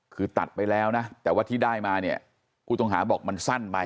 คือตัดไปแล้วนะแต่ว่าที่ได้มาเนี่ยผู้ต้องหาบอกมันสั้นไป